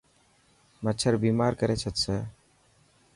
مڇر بيمار ڪري ڇڏسي.